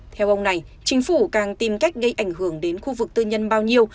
theo ông này chính phủ càng tìm cách gây ảnh hưởng đến khu vực tư nhân bao nhiêu